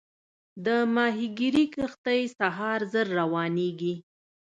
د ماهیګیري کښتۍ سهار زر روانېږي.